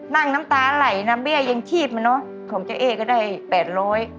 น้ำตาไหลนะเบี้ยยังชีพมาเนอะของเจ๊เอ๊ก็ได้แปดร้อย